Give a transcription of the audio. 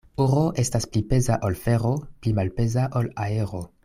Oro estas pli peza ol fero, pli malpeza ol aero.